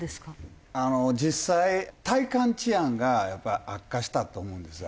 実際体感治安がやっぱり悪化したと思うんですよ。